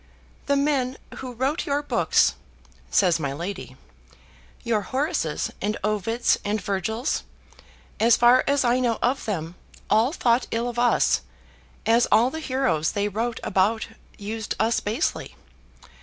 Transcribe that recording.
"The men who wrote your books," says my lady, "your Horaces, and Ovids, and Virgils, as far as I know of them, all thought ill of us, as all the heroes they wrote about used us basely.